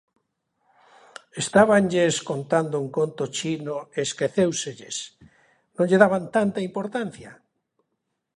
¿Estábanlles contando un conto chino e esquecéuselles, non lle daban tanta importancia?